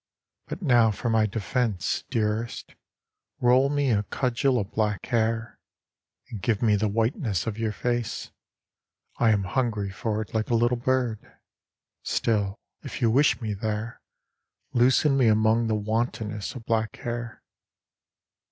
But now for my defence, dearest, roll me a cudgel of black hair ; And give me the whiteness of your face, I am hungry for it like a little bird. Still, if you wish me there, loosen me among the wantonness of black hair.